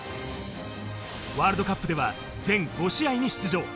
ワールドカップでは全５試合に出場。